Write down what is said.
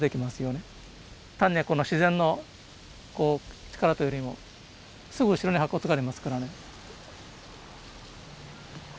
単に自然の力というよりもすぐ後ろに白骨がありますからね。